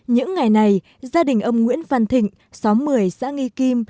những ngày này gia đình ông nguyễn văn thịnh xóm một mươi xã nghi kim